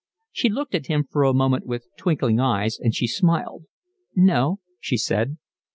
She looked at him for a moment with twinkling eyes, and she smiled. "No," she said.